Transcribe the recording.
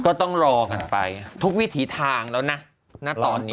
ก็ต้องรอกันไปทุกวิถีทางแล้วนะณตอนนี้